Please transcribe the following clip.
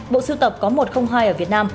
bộ sưu tập có một trăm linh hai ở việt nam